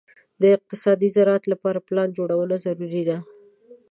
د اقتصادي زراعت لپاره پلان جوړونه ضروري ده.